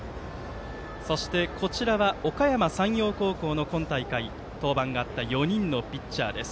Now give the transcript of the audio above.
そして、こちらはおかやま山陽高校の今大会登板があった４人のピッチャーです。